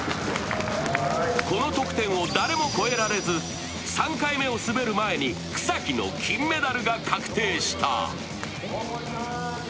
この得点を誰も超えられず、３回目を滑る前に草木の金メダルが確定した。